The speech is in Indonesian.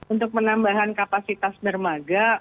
untuk penambahan kapasitas bermaga